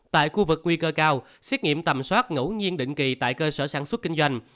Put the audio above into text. tại khu vực nguy cơ cao xét nghiệm tầm soát ngẫu nhiên định kỳ tại cơ sở sản xuất kinh doanh